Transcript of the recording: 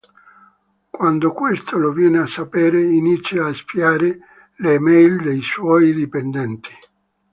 Quando questo lo viene a sapere, inizia a spiare le email dei suoi dipendenti.